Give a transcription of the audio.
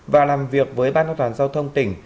và làm việc với ban an toàn giao thông tỉnh